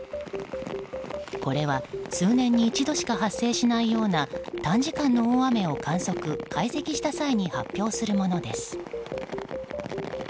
これは数年に一度しか発生しないような短時間の大雨を観測・解析した際に発表するものです。